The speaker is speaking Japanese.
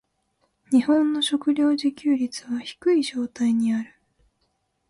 日本の食糧自給率は低い状態にある。